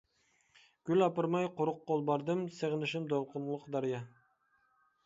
گۈل ئاپارماي قۇرۇق قول باردىم، سېغىنىشىم دولقۇنلۇق دەريا.